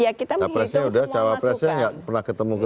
ya kita menghitung semua masukan